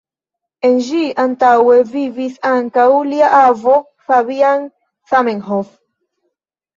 En ĝi antaŭe vivis ankaŭ lia avo Fabian Zamenhof.